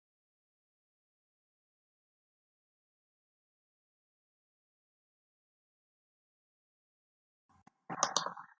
Los valores de estos exponentes se conocen como orden de reacción.